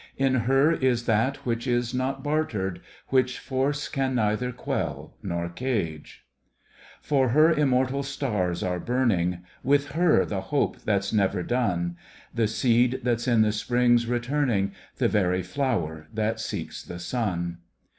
In her is that which is not bartered. Which force can neither quell nor cage. Digitized by Google lo THE FOURTH OF AUGUST For her immortal stars are burning With her the hope that's never done. The seed that's in the Spring's returning. The very flower that seeks the sun.